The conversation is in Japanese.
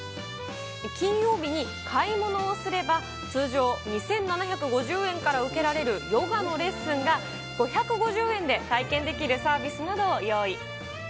金曜日に買い物をすれば、通常２７５０円から受けられるヨガのレッスンが、５５０円で体験できるサービスなどを用意。